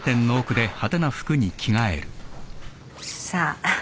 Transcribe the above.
さあ？